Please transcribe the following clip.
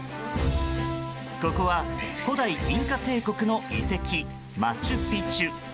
ここは、古代インカ帝国の遺跡マチュピチュ。